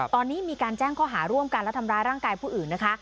ตอนนี้มีการแจ้งข้อหาร่วมกันและทำร้ายร่างกายผู้อื่นนะคะ